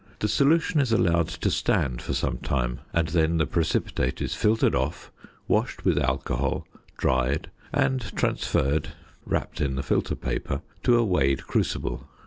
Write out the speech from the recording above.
The solution is allowed to stand for some time, and then the precipitate is filtered off, washed with alcohol, dried, and transferred (wrapped in the filter paper) to a weighed crucible.